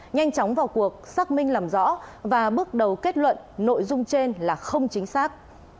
nhanh chóng vào cuộc xác minh làm rõ và bước đầu kết luận nội dung trên là không chính xác